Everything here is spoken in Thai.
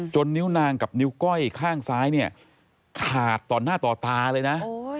นิ้วนางกับนิ้วก้อยข้างซ้ายเนี่ยขาดต่อหน้าต่อตาเลยนะ